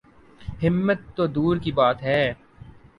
ہمت تو دور کی بات ہے۔